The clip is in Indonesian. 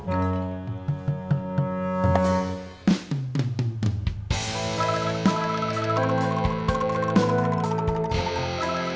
gak ada yang nanya